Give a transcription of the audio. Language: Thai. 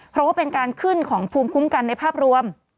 เพราะว่าเป็นการขึ้นของภูมิคุ้มกันในภาพรวม